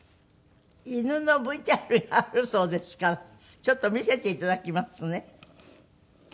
犬のＶＴＲがあるそうですからちょっと見せて頂きますね。